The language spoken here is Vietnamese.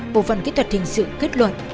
bộ phần kỹ thuật hình sự kết luận